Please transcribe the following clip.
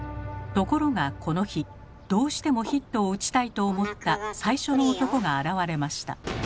ところがこの日どうしてもヒットを打ちたいと思った最初の男が現れました。